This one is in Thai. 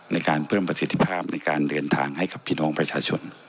ในการเพิ่มประสิทธิภาพในการเดินทางให้กับพี่น้องประชาชน